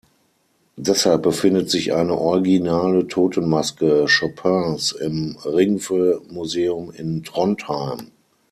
Deshalb befindet sich eine originale Totenmaske Chopins im Ringve-Museum in Trondheim.